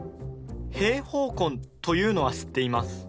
平方根というのは知っています。